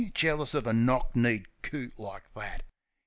Jealous uv a knock kneed coot like that!